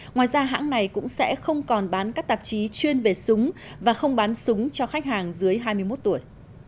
ngoài ra hãng này cũng sẽ không còn bán các tạp chí chuyên về súng và không bán súng cho khách hàng dưới hai mươi một tuổi